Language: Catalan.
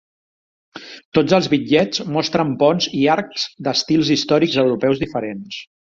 Tots els bitllets mostren ponts i arcs d'estils històrics europeus diferents.